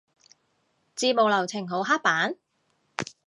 節目流程好刻板？